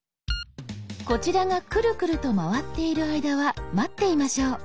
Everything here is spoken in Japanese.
こちらがクルクルと回っている間は待っていましょう。